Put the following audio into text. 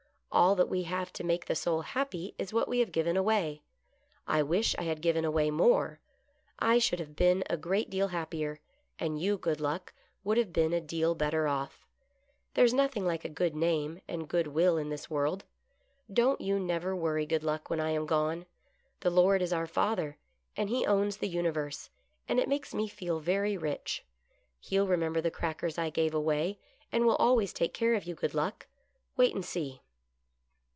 " All that we have to make the soul happy is what we have given away. I wish I had given away more — I should have been a great deal happier, and you. Good Luck, would have been a deal better off. There's nothinor like a eood name and good will in this world. Don't you never worry. Good Luck, when I am gone. The Lord is our Father, and he owns the universe, and it makes me feel very rich. He'll remember the crackers I gave away, and will always take care of you. Good Luck. Wait and see."